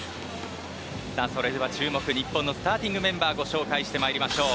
それでは注目、日本のスターティングメンバーご紹介しましょう。